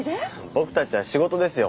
僕たちは仕事ですよ。